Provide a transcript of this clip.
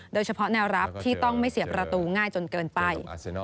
โดยเฉพาะแนวรับที่ต้องไม่เสียประตูง่ายจนเกินไป